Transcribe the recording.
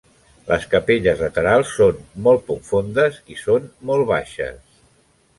Les capelles laterals són molt poc fondes i són molt baixes.